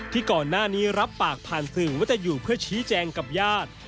ก่อนหน้านี้รับปากผ่านสื่อว่าจะอยู่เพื่อชี้แจงกับญาติ